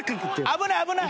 危ない危ない。